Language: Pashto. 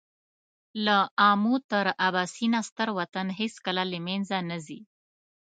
له آمو تر اباسینه ستر وطن هېڅکله له مېنځه نه ځي.